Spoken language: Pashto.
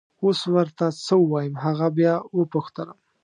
اوس ور ته څه ووایم! هغه بیا وپوښتلم.